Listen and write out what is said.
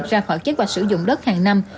ra khỏi chế hoạch sử dụng đất hàng năm